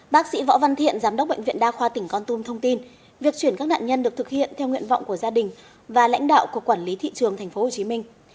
bác sĩ võ văn thiện giám đốc bệnh viện đa khoa tỉnh con tum thông tin việc chuyển các nạn nhân được thực hiện theo nguyện vọng của gia đình và lãnh đạo của quản lý thị trường tp hcm